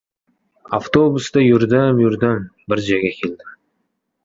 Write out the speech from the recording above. Avtobusda yurdim-yurdim, bir joyga keldim.